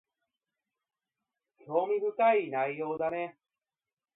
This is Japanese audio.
興味深い内容だね